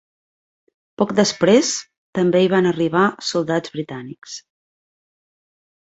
Poc després, també hi van arribar soldats britànics.